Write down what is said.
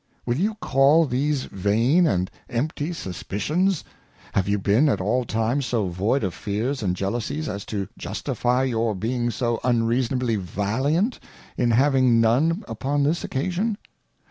Will you call these vain and empty Suspitions ? have you been at all times so void of Fears and Jealousies as to justifie your being so un reasonably Valiant in having none upon this occasion